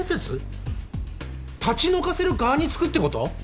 立ち退かせる側につくってこと！？